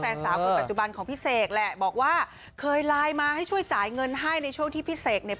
แฟนสาวคนปัจจุบันของพี่เสกแหละบอกว่าเคยไลน์มาให้ช่วยจ่ายเงินให้ในช่วงที่พี่เสกเนี่ย